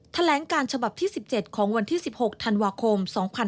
แถลงการฉบับที่๑๗ของวันที่๑๖ธันวาคม๒๕๖๒